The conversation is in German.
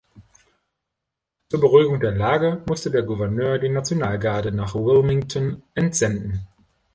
Zur Beruhigung der Lage musste der Gouverneur die Nationalgarde nach Wilmington entsenden.